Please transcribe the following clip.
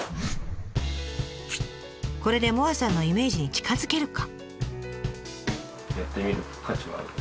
これで萌彩さんのイメージに近づけるか？